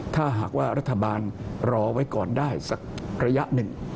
ถ้าหากว่ารัฐบาลรอไว้ก่อนได้สักระยะหนึ่ง